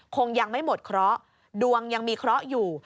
คงยังไม่หมดเคราะห์ดวงยังมีเคราะห์อยู่